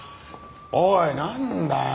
おいなんだよ。